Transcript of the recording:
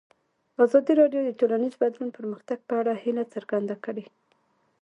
ازادي راډیو د ټولنیز بدلون د پرمختګ په اړه هیله څرګنده کړې.